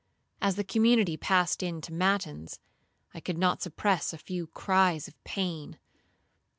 As the community passed in to matins, I could not suppress a few cries of pain.